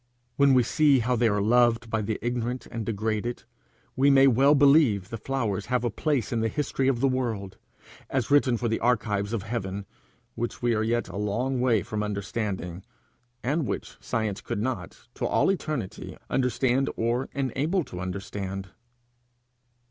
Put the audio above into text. When we see how they are loved by the ignorant and degraded, we may well believe the flowers have a place in the history of the world, as written for the archives of heaven, which we are yet a long way from understanding, and which science could not, to all eternity, understand, or enable to understand.